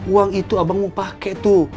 uang itu abang mau pake tuh